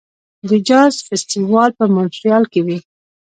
د جاز فستیوال په مونټریال کې وي.